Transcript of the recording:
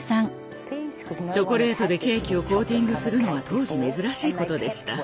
チョコレートでケーキをコーティングするのは当時珍しいことでした。